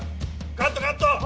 カットカット！